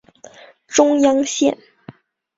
中央线